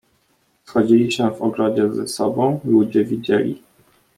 "Schodzili się w ogrodzie z sobą... ludzie widzieli."